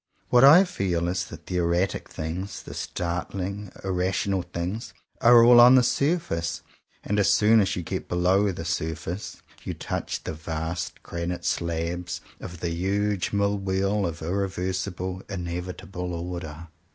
What I feel is that the erratic things, the snarling, irrational things, are all on the surface; and as soon as you get below the surface, you touch the vast granite slabs of the huge Mill Wheel of irreversible, in evitable Order.